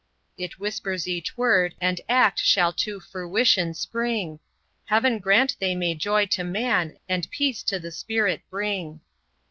It whispers each word and act shall to fruition spring; Heaven grant they may joy to man, and peace to the spirit bring!